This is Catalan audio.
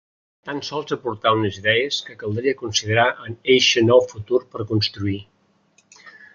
Tan sols aportar unes idees que caldria considerar en eixe nou futur per construir.